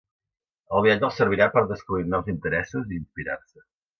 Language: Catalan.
El viatge els servirà per a descobrir nous interessos i inspirar-se.